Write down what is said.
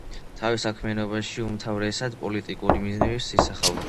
თავის საქმიანობაში უმთავრესად პოლიტიკურ მიზნებს ისახავდა.